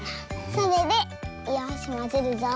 それでよしまぜるぞ。